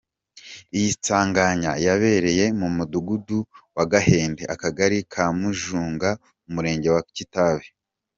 Iyi sanganya yabereye mu Mudugudu wa Gahande, Akagari ka Mujunga, Umurenge wa Kitabi.